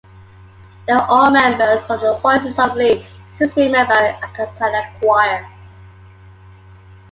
They were all members of the Voices of Lee, sixteen-member a cappella choir.